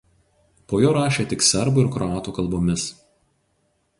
Po jo rašė tik serbų ir kroatų kalbomis.